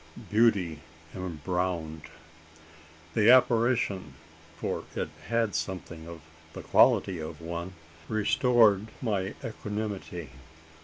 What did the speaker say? BEAUTY EMBROWNED. The apparition for it had something of the character of one restored my equanimity.